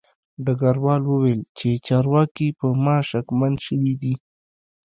ډګروال وویل چې چارواکي په ما شکمن شوي دي